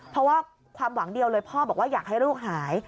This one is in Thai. เพราะว่าความหวังเดียวเลยพ่อบอกว่าอยากให้ลูกหาย